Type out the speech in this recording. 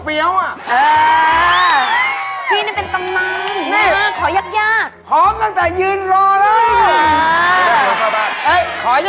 เตรียมพร้อมตั้งแต่อยืนรอเลย